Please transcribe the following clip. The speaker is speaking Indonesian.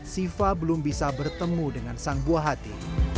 siva belum bisa bertemu dengan sang buah hati